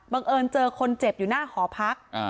เอิญเจอคนเจ็บอยู่หน้าหอพัก